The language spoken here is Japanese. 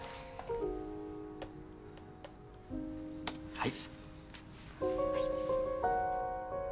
はい。